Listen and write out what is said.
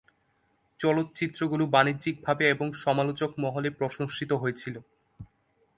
চলচ্চিত্রগুলি বাণিজ্যিকভাবে এবং সমালোচক মহলে প্রশংসিত হয়েছিল।